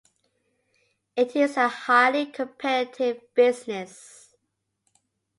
It is a highly competitive business.